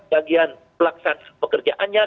bagian pelaksanaan pekerjaannya